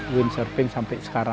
windsurfing sampai sekarang